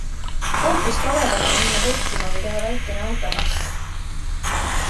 Hoopis toredam on minna telkima või teha väikene automatk.